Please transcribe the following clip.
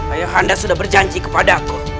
ayah anda sudah berjanji kepada aku